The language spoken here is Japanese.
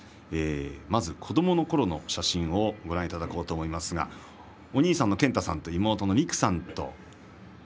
まず子どものころの写真をご覧いただこうと思いますがお兄さんの健太さんと妹さんの未来さんですね。